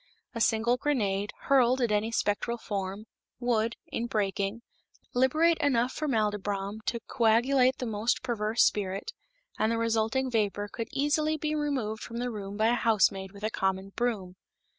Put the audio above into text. A single grenade, hurled at any spectral form, would, in breaking, liberate enough formaldybrom to coagulate the most perverse spirit, and the resulting vapor could easily be removed from the room by a housemaid with a common broom.